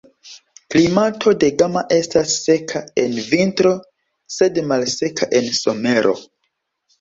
Klimato de Gama estas seka en vintro, sed malseka en somero.